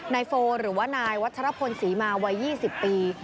นายโฟร์หรือว่านายวัฒนภนศรีมาวัย๒๐ปี